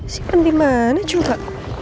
si pendimannya juga